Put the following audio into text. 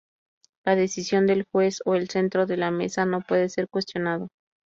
La decisión del juez o el centro de la mesa no puede ser cuestionada.